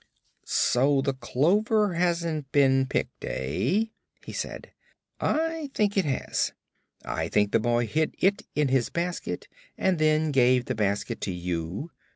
"So the clover hasn't been picked, eh?" he said. "I think it has. I think the boy hid it in his basket, and then gave the basket to you.